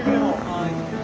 はい。